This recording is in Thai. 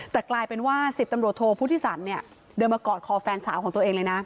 แต่กลายเป็นว่าสิทธิ์ตำรวชโทฬพุทธศัตริย์มันกอบครอบแฟนสาวเองนะ